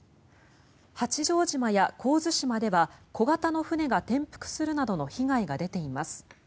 八丈島や神津島では小型の船が転覆するなどの被害が出ています。